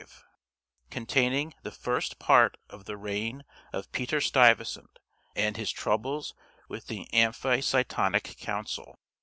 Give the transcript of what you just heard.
_ CONTAINING THE FIRST PART OF THE REIGN OF PETER STUYVESANT, AND HIS TROUBLES WITH THE AMPHICTYONIC COUNCIL.